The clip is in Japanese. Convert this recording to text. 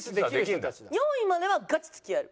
４位まではガチ付き合える。